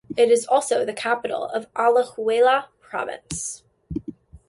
It is also the capital of Alajuela Province.